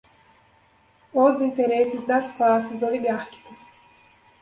Os interesses das classes oligárquicas